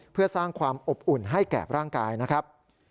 เพื่อสร้างความอบอุ่นให้แก่ร่างกายนะครับ